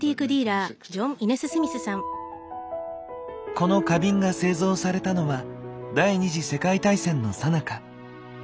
この花瓶が製造されたのは第二次世界大戦のさなか。